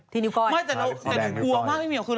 ที่นิวก้อย